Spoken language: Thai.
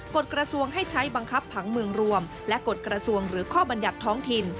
กฎกระทรวงให้ใช้บังคับผังเมืองรวมและกฎกระทรวงหรือข้อบรรยัติท้องถิ่น